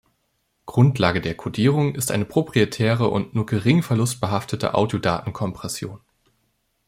Grundlage der Kodierung ist eine proprietäre und nur gering verlustbehaftete Audiodatenkompression.